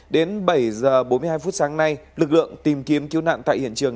đến bảy h bốn mươi hai phút sáng nay lực lượng tìm kiếm cứu nạn tại hiện trường